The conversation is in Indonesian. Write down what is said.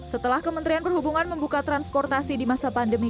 setelah kementerian perhubungan membuka transportasi di masa pandemi